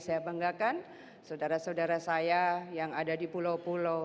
saya banggakan saudara saudara saya yang ada di pulau pulau